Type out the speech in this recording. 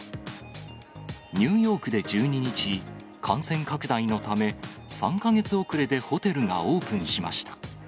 ニューヨークで１２日、感染拡大のため、３か月遅れでホテルがオープンしました。